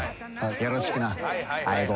「よろしくな相棒」